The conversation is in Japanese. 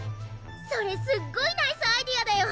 それすっごいナイスアイデアだよ！